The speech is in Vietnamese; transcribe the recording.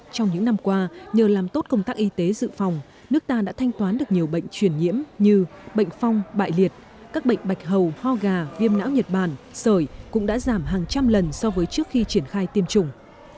trong những năm qua nhờ làm tốt công tác y tế dự phòng nước ta đã thanh toán được nhiều bệnh truyền nhiễm như bệnh phong bại liệt các bệnh bạch hầu ho gà viêm não nhật bản sởi cũng đã giảm hàng trăm lần so với trước khi triển khai tiêm chủng